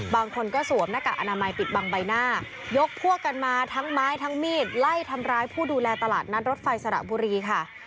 บางคนก็สวมหน้ากากอนามัยปิดบังใบหน้ายกพวกกันมาทั้งไม้ทั้งมีดไล่ทำร้ายผู้ดูแลตลาดนัดรถไฟสระบุรีค่ะ